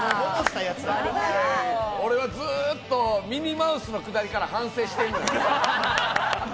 俺はずっとミニマウスのくだりから反省してるのよ。